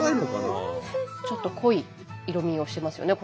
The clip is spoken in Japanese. ちょっと濃い色みをしてますよね